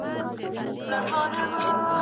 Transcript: ښوونکي د هر چا درناوی کوي.